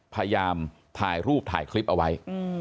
พยายามถ่ายรูปถ่ายคลิปเอาไว้